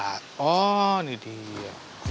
oh ini dia